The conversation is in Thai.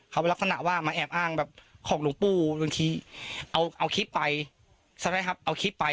เขาลักษณะว่ามาแอบอ้างแบบของหลวงปู่เอาเอาคลิปไปเอาคลิปไป